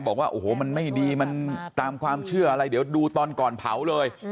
บอกว่าโอ้โหมันไม่ดีมันตามความเชื่ออะไรเดี๋ยวดูตอนก่อนเผาเลย